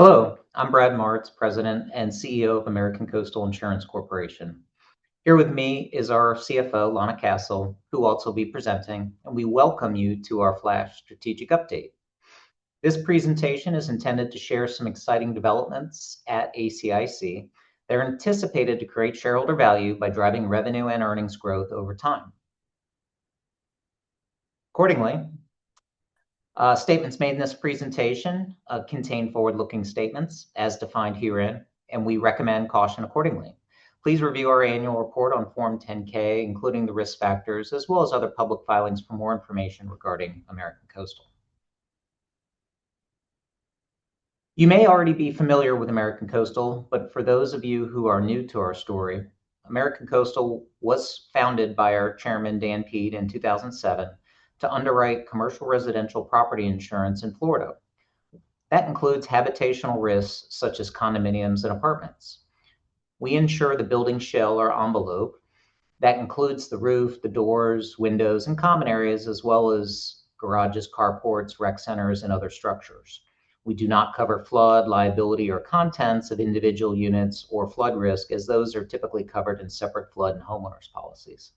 Hello. I'm Brad Martz, President and CEO of American Coastal Insurance Corporation. Here with me is our CFO, Lana Castle, who will also be presenting, and we welcome you to our Flash Strategic Update. This presentation is intended to share some exciting developments at ACIC that are anticipated to create shareholder value by driving revenue and earnings growth over time. Accordingly, statements made in this presentation contain forward-looking statements, as defined herein, and we recommend caution accordingly. Please review our annual report on Form 10-K, including the risk factors, as well as other public filings for more information regarding American Coastal. You may already be familiar with American Coastal, but for those of you who are new to our story, American Coastal was founded by our Chairman, Dan Peed, in 2007 to underwrite commercial residential property insurance in Florida. That includes habitational risks such as condominiums and apartments. We insure the building shell or envelope. That includes the roof, the doors, windows, and common areas, as well as garages, carports, rec centers, and other structures. We do not cover flood liability or contents of individual units or flood risk, as those are typically covered in separate flood and homeowners policies.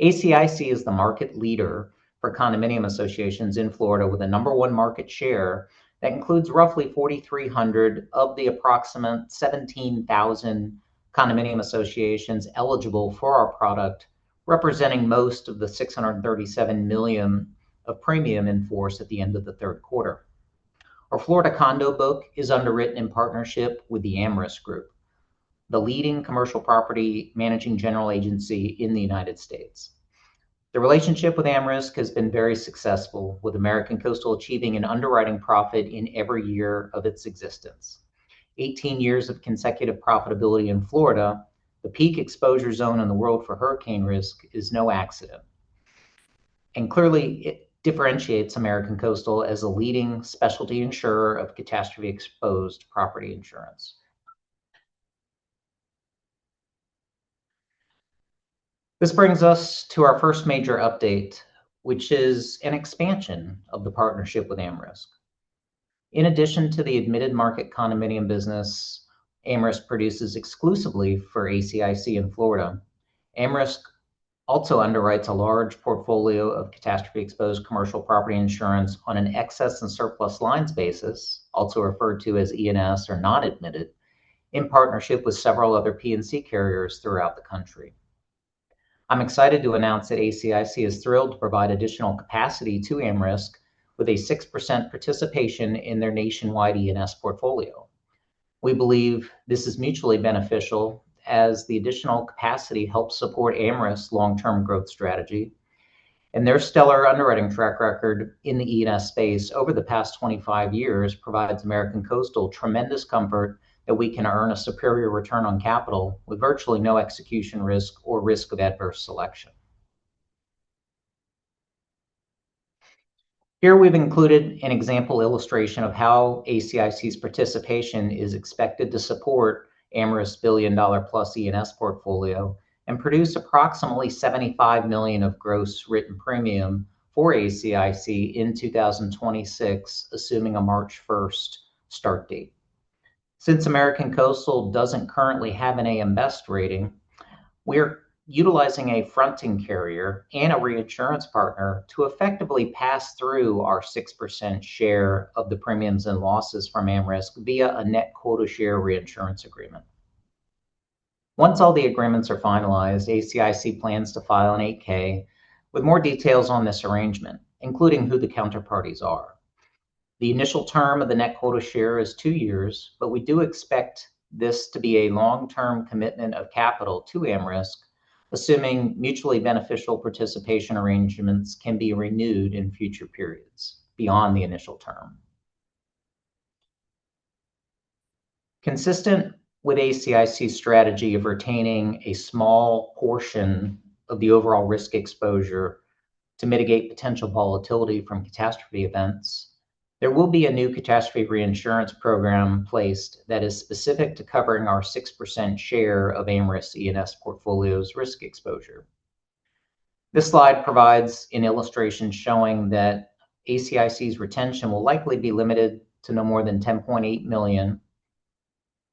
ACIC is the market leader for condominium associations in Florida, with a number one market share that includes roughly 4,300 of the approximate 17,000 condominium associations eligible for our product, representing most of the $637 million of premium in-force at the end of the third quarter. Our Florida condo book is underwritten in partnership with the AmRisc Group, the leading commercial property managing general agency in the United States. The relationship with AmRisc has been very successful, with American Coastal achieving an underwriting profit in every year of its existence. Eighteen years of consecutive profitability in Florida, the peak exposure zone in the world for hurricane risk, is no accident. And clearly, it differentiates American Coastal as a leading specialty insurer of catastrophe-exposed property insurance. This brings us to our first major update, which is an expansion of the partnership with AmRisc. In addition to the admitted market condominium business, AmRisc produces exclusively for ACIC in Florida. AmRisc also underwrites a large portfolio of catastrophe-exposed commercial property insurance on an excess and surplus lines basis, also referred to as E&S or not admitted, in partnership with several other P&C carriers throughout the country. I'm excited to announce that ACIC is thrilled to provide additional capacity to AmRisc, with a 6% participation in their nationwide E&S portfolio. We believe this is mutually beneficial, as the additional capacity helps support AmRisc's long-term growth strategy. Their stellar underwriting track record in the E&S space over the past 25 years provides American Coastal tremendous comfort that we can earn a superior return on capital with virtually no execution risk or risk of adverse selection. Here we've included an example illustration of how ACIC's participation is expected to support AmRisc's $1 billion-plus E&S portfolio and produce approximately $75 million of gross written premium for ACIC in 2026, assuming a March 1st start date. Since American Coastal doesn't currently have an AM Best rating, we're utilizing a fronting carrier and a reinsurance partner to effectively pass through our 6% share of the premiums and losses from AmRisc via a net quota share reinsurance agreement. Once all the agreements are finalized, ACIC plans to file an 8-K with more details on this arrangement, including who the counterparties are. The initial term of the net quota share is two years, but we do expect this to be a long-term commitment of capital to AmRisc, assuming mutually beneficial participation arrangements can be renewed in future periods beyond the initial term. Consistent with ACIC's strategy of retaining a small portion of the overall risk exposure to mitigate potential volatility from catastrophe events, there will be a new catastrophe reinsurance program placed that is specific to covering our 6% share of AmRisc's E&S portfolio's risk exposure. This slide provides an illustration showing that ACIC's retention will likely be limited to no more than $10.8 million,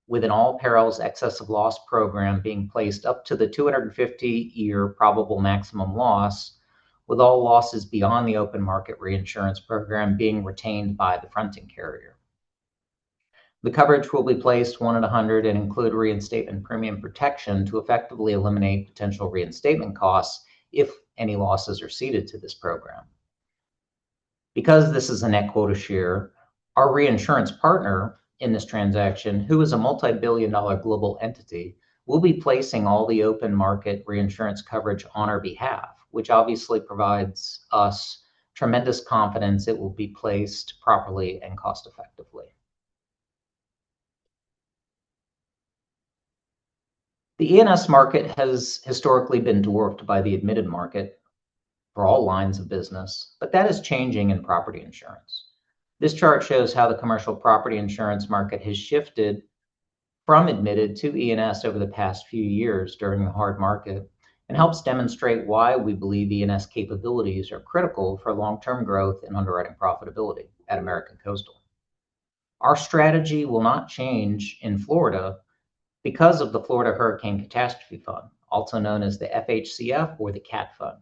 with an all-perils excess loss program being placed up to the 250-year probable maximum loss, with all losses beyond the open market reinsurance program being retained by the fronting carrier. The coverage will be placed one at 100 and include reinstatement premium protection to effectively eliminate potential reinstatement costs if any losses are ceded to this program. Because this is a net quota share, our reinsurance partner in this transaction, who is a multibillion-dollar global entity, will be placing all the open market reinsurance coverage on our behalf, which obviously provides us tremendous confidence it will be placed properly and cost-effectively. The E&S market has historically been dwarfed by the admitted market for all lines of business, but that is changing in property insurance. This chart shows how the commercial property insurance market has shifted from admitted to E&S over the past few years during the hard market and helps demonstrate why we believe E&S capabilities are critical for long-term growth and underwriting profitability at American Coastal. Our strategy will not change in Florida because of the Florida Hurricane Catastrophe Fund, also known as the FHCF or the CAT Fund.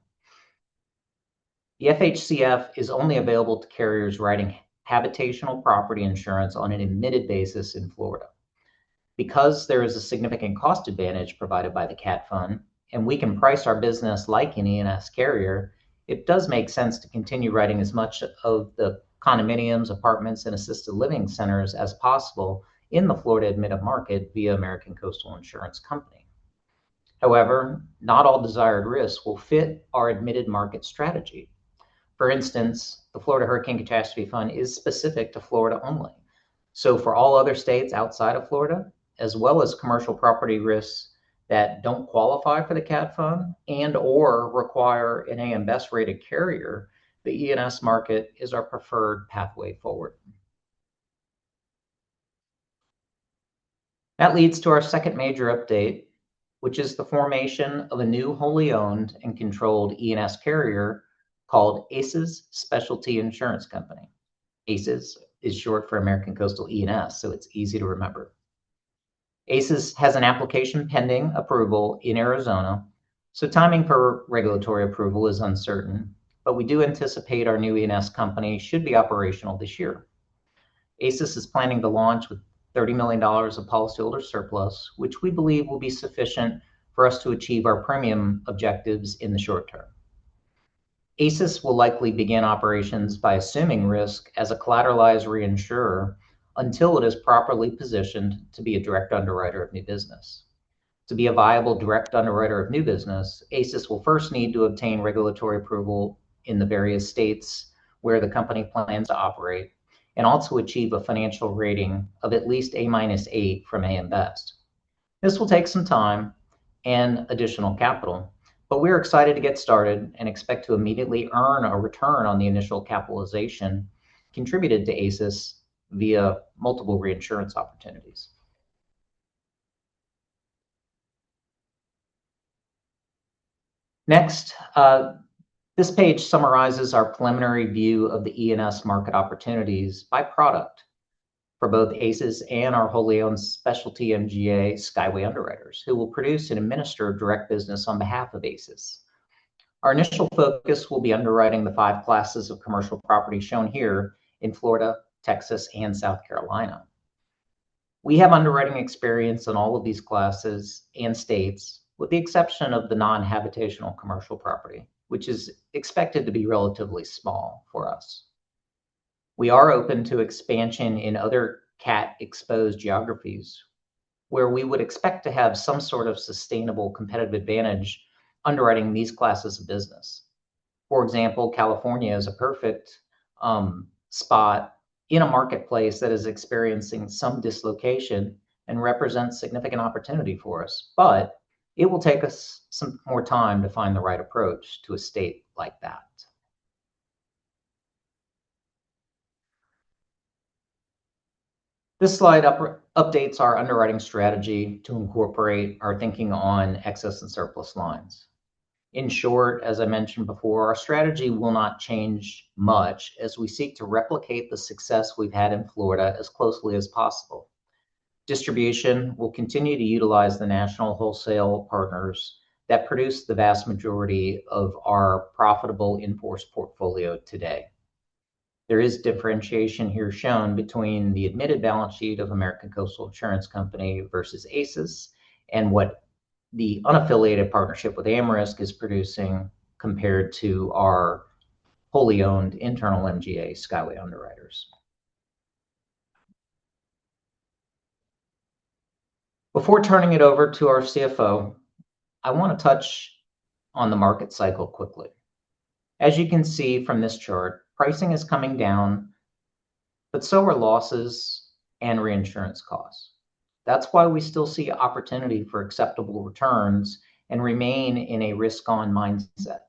The FHCF is only available to carriers writing habitational property insurance on an admitted basis in Florida. Because there is a significant cost advantage provided by the CAT Fund, and we can price our business like an E&S carrier, it does make sense to continue writing as much of the condominiums, apartments, and assisted living centers as possible in the Florida admitted market via American Coastal Insurance Company. However, not all desired risks will fit our admitted market strategy. For instance, the Florida Hurricane Catastrophe Fund is specific to Florida only. So for all other states outside of Florida, as well as commercial property risks that don't qualify for the CAT Fund and/or require an AM Best-rated carrier, the E&S market is our preferred pathway forward. That leads to our second major update, which is the formation of a new wholly owned and controlled E&S carrier called ACES Specialty Insurance Company. ACES is short for American Coastal E&S, so it's easy to remember. ACES has an application pending approval in Arizona, so timing for regulatory approval is uncertain, but we do anticipate our new E&S company should be operational this year. ACES is planning to launch with $30 million of policyholder surplus, which we believe will be sufficient for us to achieve our premium objectives in the short term. ACES will likely begin operations by assuming risk as a collateralized reinsurer until it is properly positioned to be a direct underwriter of new business. To be a viable direct underwriter of new business, ACES will first need to obtain regulatory approval in the various states where the company plans to operate and also achieve a financial rating of at least A- from AM Best. This will take some time and additional capital, but we are excited to get started and expect to immediately earn a return on the initial capitalization contributed to ACES via multiple reinsurance opportunities. Next, this page summarizes our preliminary view of the E&S market opportunities by product for both ACES and our wholly owned specialty MGA Skyway Underwriters, who will produce and administer direct business on behalf of ACES. Our initial focus will be underwriting the five classes of commercial property shown here in Florida, Texas, and South Carolina. We have underwriting experience in all of these classes and states, with the exception of the non-habitational commercial property, which is expected to be relatively small for us. We are open to expansion in other CAT-exposed geographies where we would expect to have some sort of sustainable competitive advantage underwriting these classes of business. For example, California is a perfect spot in a marketplace that is experiencing some dislocation and represents significant opportunity for us, but it will take us some more time to find the right approach to a state like that. This slide updates our underwriting strategy to incorporate our thinking on excess and surplus lines. In short, as I mentioned before, our strategy will not change much as we seek to replicate the success we've had in Florida as closely as possible. Distribution will continue to utilize the national wholesale partners that produce the vast majority of our profitable in-force portfolio today. There is differentiation here shown between the admitted balance sheet of American Coastal Insurance Company versus ACES and what the unaffiliated partnership with AmRisc is producing compared to our wholly owned internal MGA Skyway Underwriters. Before turning it over to our CFO, I want to touch on the market cycle quickly. As you can see from this chart, pricing is coming down, but so are losses and reinsurance costs. That's why we still see opportunity for acceptable returns and remain in a risk-on mindset.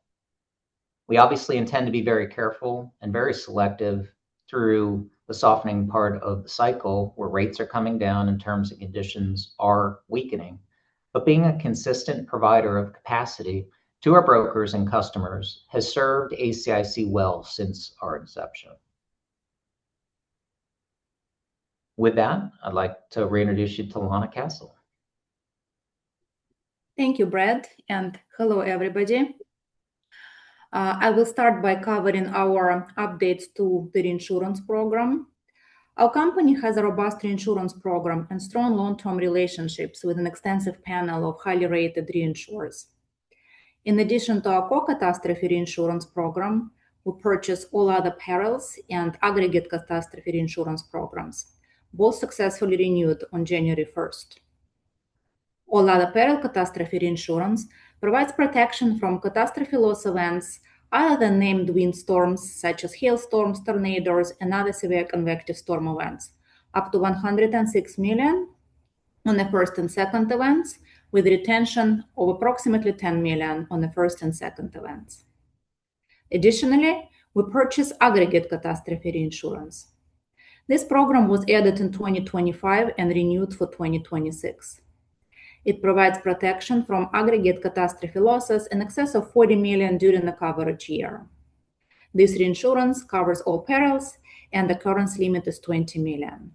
We obviously intend to be very careful and very selective through the softening part of the cycle where rates are coming down and terms and conditions are weakening, but being a consistent provider of capacity to our brokers and customers has served ACIC well since our inception. With that, I'd like to reintroduce you to Lana Castle. Thank you, Brad, and hello, everybody. I will start by covering our updates to the reinsurance program. Our company has a robust reinsurance program and strong long-term relationships with an extensive panel of highly rated reinsurers. In addition to our core catastrophe reinsurance program, we purchase all other perils and aggregate catastrophe reinsurance programs, both successfully renewed on January 1st. All other perils catastrophe reinsurance provides protection from catastrophe loss events other than named windstorms, such as hailstorms, tornadoes, and other severe convective storm events, up to $106 million on the first and second events, with retention of approximately $10 million on the first and second events. Additionally, we purchase aggregate catastrophe reinsurance. This program was added in 2025 and renewed for 2026. It provides protection from aggregate catastrophe losses in excess of $40 million during the coverage year. This reinsurance covers all perils, and the current limit is $20 million.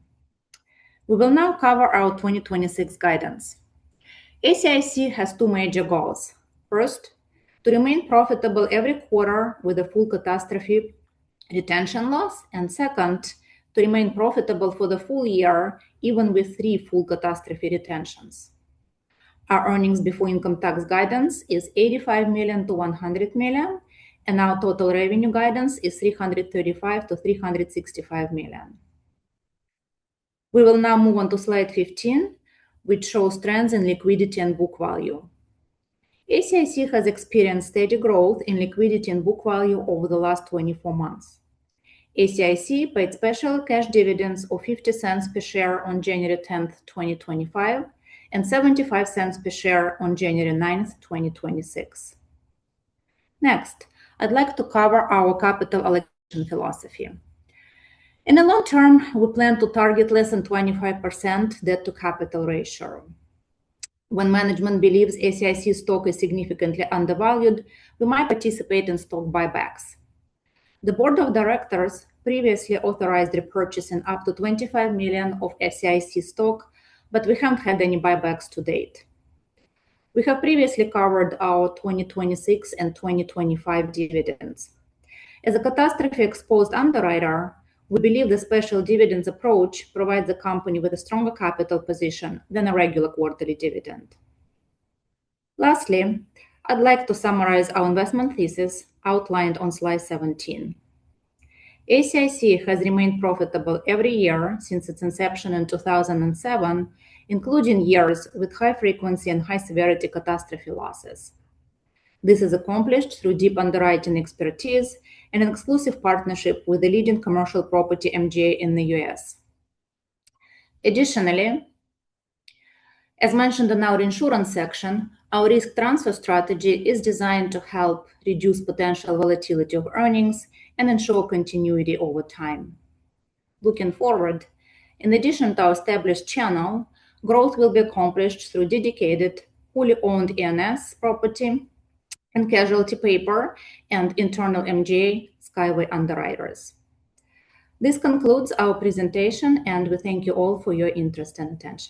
We will now cover our 2026 guidance. ACIC has two major goals. First, to remain profitable every quarter with a full catastrophe retention loss, and second, to remain profitable for the full year even with three full catastrophe retentions. Our earnings before income tax guidance is $85 million-$100 million, and our total revenue guidance is $335 million-$365 million. We will now move on to slide 15, which shows trends in liquidity and book value. ACIC has experienced steady growth in liquidity and book value over the last 24 months. ACIC paid special cash dividends of $0.50 per share on January 10th, 2025, and $0.75 per share on January 9th, 2026. Next, I'd like to cover our capital allocation philosophy. In the long term, we plan to target less than 25% debt-to-capital ratio. When management believes ACIC stock is significantly undervalued, we might participate in stock buybacks. The board of directors previously authorized repurchasing up to $25 million of ACIC stock, but we haven't had any buybacks to date. We have previously covered our 2026 and 2025 dividends. As a catastrophe-exposed underwriter, we believe the special dividends approach provides the company with a stronger capital position than a regular quarterly dividend. Lastly, I'd like to summarize our investment thesis outlined on slide 17. ACIC has remained profitable every year since its inception in 2007, including years with high-frequency and high-severity catastrophe losses. This is accomplished through deep underwriting expertise and an exclusive partnership with the leading commercial property MGA in the U.S. Additionally, as mentioned in our insurance section, our risk transfer strategy is designed to help reduce potential volatility of earnings and ensure continuity over time. Looking forward, in addition to our established channel, growth will be accomplished through dedicated, wholly owned E&S property and casualty paper and internal MGA Skyway Underwriters. This concludes our presentation, and we thank you all for your interest and attention.